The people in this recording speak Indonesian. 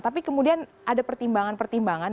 tapi kemudian ada pertimbangan pertimbangan